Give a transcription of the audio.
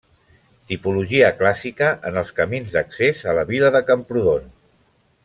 Tipologia clàssica, en els camins d'accés a la vila de Camprodon.